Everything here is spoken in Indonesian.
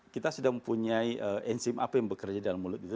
kita sudah mempunyai enzim apa yang bekerja dalam mulut itu